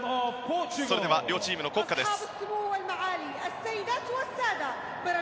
それでは両チームの国歌です。